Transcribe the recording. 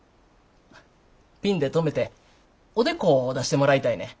ピンで留めておでこを出してもらいたいねん。